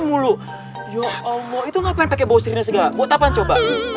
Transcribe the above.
mulu itu ngapain pakai bosnya juga buat apa coba